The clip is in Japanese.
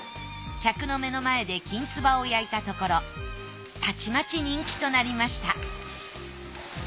客の目の前で金鍔を焼いたところたちまち人気となりました。